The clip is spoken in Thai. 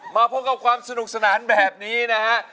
มาพบกับความสนุกสนานแบบนี้นะฮะ